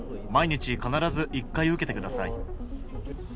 毎日必ず１回受けてください。